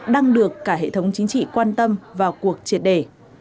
đang được cả hệ thống chính trị quan tâm vào cuộc triệt đề